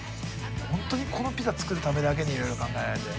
本当にこのピザ作るためだけにいろいろ考えられて。